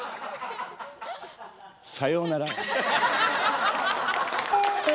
さようなら。